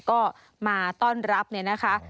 ก็มาต้อนรับเนี่ยนะคะ